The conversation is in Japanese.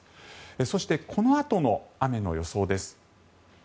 そしてこのあとの雨の予想です。